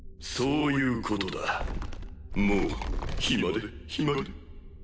そういうことだもう暇で暇で。